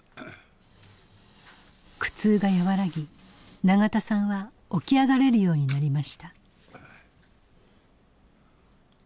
苦痛が和らぎ永田さんは起き上がれるようになりました。